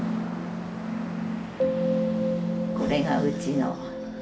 これがうちの。